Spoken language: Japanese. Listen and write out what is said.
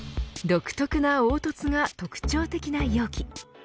独特な凹凸が特徴的な容器。